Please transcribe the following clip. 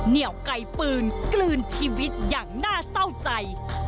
เหนียวไกลปืนกลืนชีวิตอย่างน่าเศร้าใจ